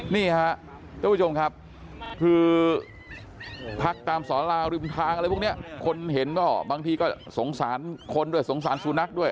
นี่ค่ะเจ้าผู้ชมครับภายจากสอนราริมทางอะไรพวกเนี่ยคนเห็นบางทีก็สงสารสุนัขด้วย